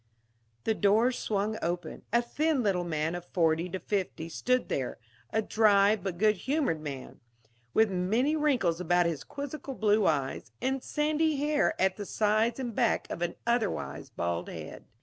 The doors swung open. A thin little man of forty to fifty stood there, a dry but good humored man, with many wrinkles about his quizzical blue eyes, and sandy hair at the sides and back of an otherwise bald head.